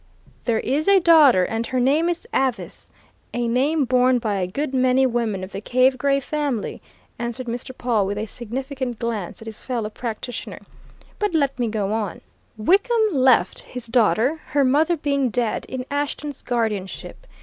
"There is a daughter, and her name is Avice a name borne by a good many women of the Cave Gray family," answered Mr. Pawle with a significant glance at his fellow practitioner. "But let me go on: Wickham left his daughter, her mother being dead, in Ashton's guardianship.